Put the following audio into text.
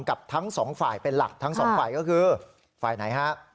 กับทั้งสองฝ่ายเป็นหลักทั้งสองฝ่ายก็คือฝ่ายไหนฮะ